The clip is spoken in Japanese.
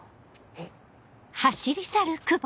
えっ。